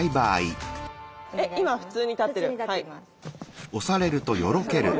えっ今普通に立ってる？